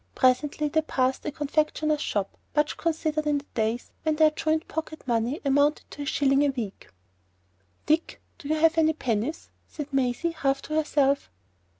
Presently they passed a confectioner's shop much considered in the days when their joint pocket money amounted to a shilling a week. "Dick, have you any pennies?" said Maisie, half to herself.